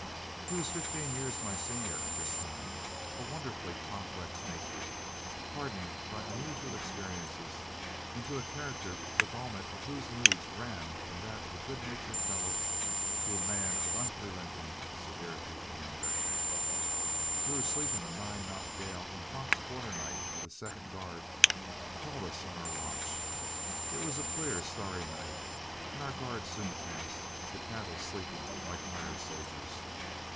He was fifteen years my senior at this time, a wonderfully complex nature, hardened by unusual experiences into a character the gamut of whose moods ran from that of a good natured fellow to a man of unrelenting severity in anger. We were sleeping a nine knot gale when Fox Quarternight of the second guard called us on our watch. It was a clear, starry night, and our guard soon passed, the cattle sleeping like tired soldiers.